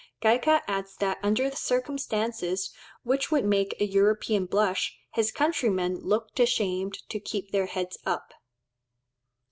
Gaika adds that under the circumstances which would make a European blush, his countrymen "look ashamed to keep their heads up."